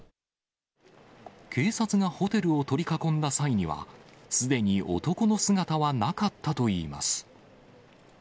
警察がホテルを取り囲んだ際には、すでに男の姿はなかったといいます。